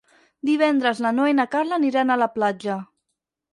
Divendres na Noa i na Carla aniran a la platja.